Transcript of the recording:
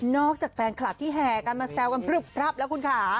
นอกจากแฟนคลัดที่แห่กันมาแซวกันแล้วคุณคะ